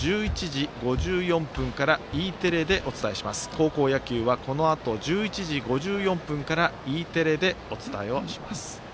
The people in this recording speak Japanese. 高校野球はこのあと１１時５４分からＥテレでお伝えします。